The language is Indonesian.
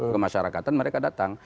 kemasyarakatan mereka datang